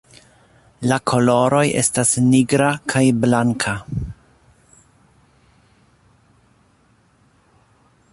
La koloroj estas nigra kaj blanka.